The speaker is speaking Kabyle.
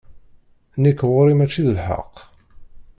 Nekk ɣur-i mačči d lḥeqq.